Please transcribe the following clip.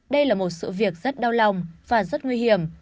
đây là một sự việc rất đau lòng và rất nguy hiểm